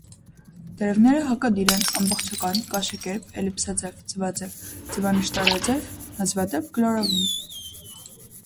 Տերևները հակադիր են, ամբողջական, կաշեկերպ, էլիպսաձև, ձվաձև, ձվանշտարաձև, հազվադեպ՝ կլորավուն։